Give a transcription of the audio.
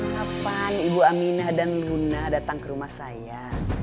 kapan ibu amina dan luna datang ke rumah saya